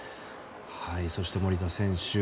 そして守田選手。